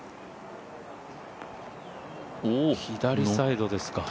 左サイドですか。